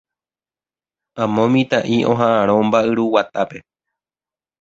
Amo mitã'i oha'ãrõ mba'yruguatápe.